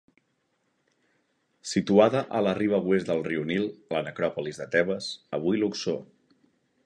Situada a la riba oest del riu Nil, a la necròpolis de Tebes, avui Luxor.